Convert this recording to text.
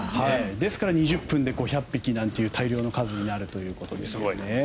だから２０分で５００匹という大量の数になるということで。